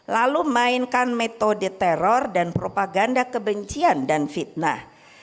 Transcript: lalu mainkan metode teror dan propaganda kebencian dan fitnah